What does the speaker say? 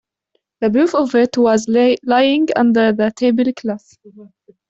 The proof of it was lying under the table-cloth.